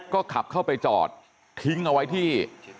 ก็ขับเข้าไปจอดทิ้งเอาไว้ที่